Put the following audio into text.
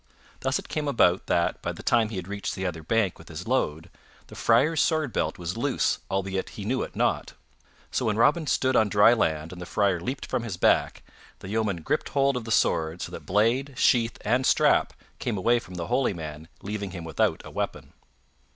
Thus it came about that, by the time he had reached the other bank with his load, the Friar's sword belt was loose albeit he knew it not; so when Robin stood on dry land and the Friar leaped from his back, the yeoman gripped hold of the sword so that blade, sheath, and strap came away from the holy man, leaving him without a weapon.